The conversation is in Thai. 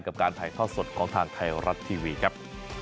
การถ่ายทอดสดของทางไทยรัฐทีวีครับ